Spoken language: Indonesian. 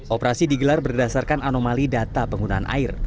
operasi digelar berdasarkan anomali data penggunaan air